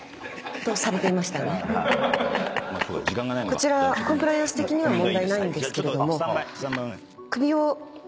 こちらコンプライアンス的には問題ないんですけれども首を。